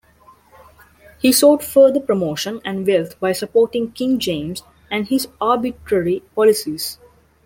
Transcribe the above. He sought further promotion and wealth by supporting King James and his arbitrary policies.